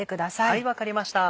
はい分かりました。